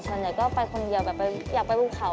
ฉันก็ไปคนเดียวอยากไปภูเขา